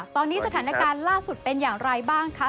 ตอนนี้สถานการณ์ล่าสุดเป็นอย่างไรบ้างคะ